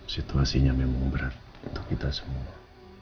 situasinya memang berat untuk kita semua